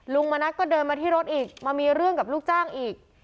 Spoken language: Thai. มณัฐก็เดินมาที่รถอีกมามีเรื่องกับลูกจ้างอีก